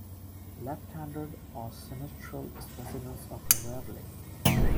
Left-handed or sinistral specimens occur rarely.